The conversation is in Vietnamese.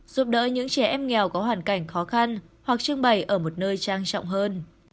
giúp đỡ những trẻ em nghèo có hoàn cảnh khó khăn hoặc trưng bày ở một nơi trang trọng hơn